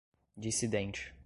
dissidente